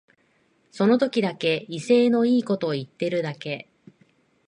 その時だけ威勢のいいこと言ってるだけ